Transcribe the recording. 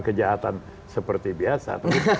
kejahatan seperti biasa